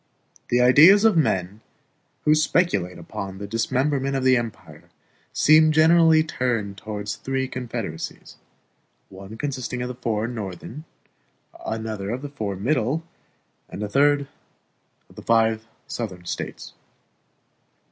The ideas of men who speculate upon the dismemberment of the empire seem generally turned toward three confederacies one consisting of the four Northern, another of the four Middle, and a third of the five Southern States.